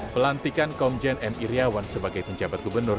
pelantikan komjen m iryawan sebagai penjabat gubernur